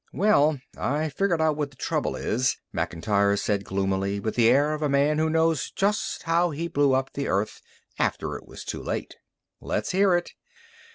"Well, I figured out where the trouble is," Macintyre said gloomily, with the air of a man who knows just how he blew up the Earth after it was too late. "Let's hear it."